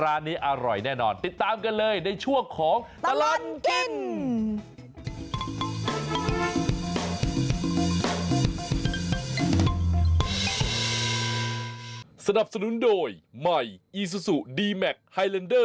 ร้านนี้อร่อยแน่นอนติดตามกันเลยในช่วงของตลอดกิน